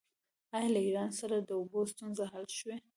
آیا له ایران سره د اوبو ستونزه حل شوې؟